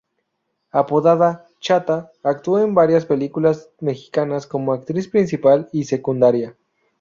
Apodada "Chata", actuó en varias películas mexicanas como actriz principal y secundaria.